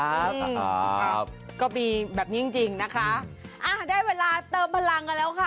ครับก็มีแบบนี้จริงจริงนะคะอ่าได้เวลาเติมพลังกันแล้วค่ะ